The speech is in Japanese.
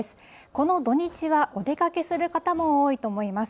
この土日は、お出かけする方も多いと思います。